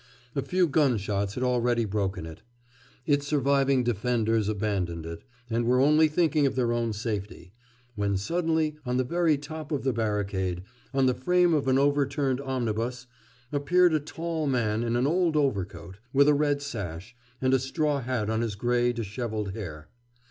A few gunshots had already broken it; its surviving defenders abandoned it, and were only thinking of their own safety, when suddenly on the very top of the barricade, on the frame of an overturned omnibus, appeared a tall man in an old overcoat, with a red sash, and a straw hat on his grey dishevelled hair.